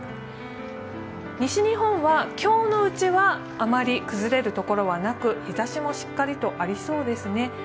西日本は今日のうちはあまり崩れるところはなく日ざしもしっかりとありそうですね。